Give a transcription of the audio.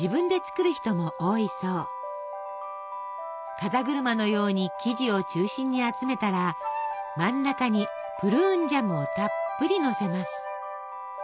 風車のように生地を中心に集めたら真ん中にプルーンジャムをたっぷりのせます。